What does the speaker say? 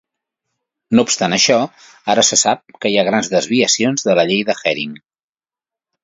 No obstant això, ara se sap que hi ha grans desviacions de la llei de Hering.